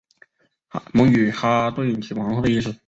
蒙语哈屯即皇后的意思。